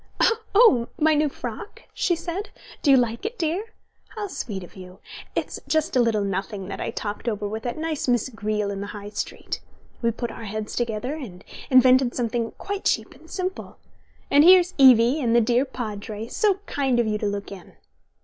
"Oh, my new frock?" she said. "Do you like it, dear? How sweet of you. It's just a little nothing that I talked over with that nice Miss Greele in the High Street. We put our heads together, and invented something quite cheap and simple. And here's Evie and the dear Padre. So kind of you to look in."